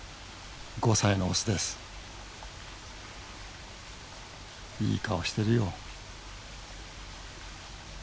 ５歳のオスですいい顔してるよ